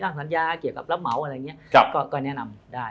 สัญญาเกี่ยวกับรับเหมาอะไรอย่างนี้ก็แนะนำได้